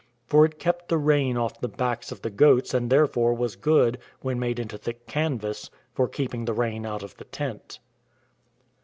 For it kept the rain off the backs of the goats and therefore was good, when made into thick canvas, for keeping the rain out of the tent.